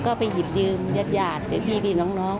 ก็ไปหยิบยืมยาดพี่น้อง